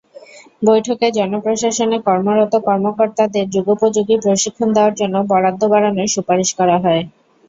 বৈঠকে জনপ্রশাসনে কর্মরত কর্মকর্তাদের যুগোপযোগী প্রশিক্ষণ দেওয়ার জন্য বরাদ্দ বাড়ানোর সুপারিশ করা হয়।